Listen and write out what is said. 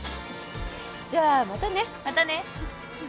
じゃあまたね。またね。